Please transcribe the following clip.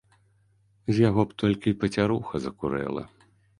З яго б толькі пацяруха закурэла!